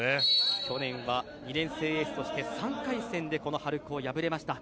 去年は２年生エースとして３回戦でこの春高、敗れました。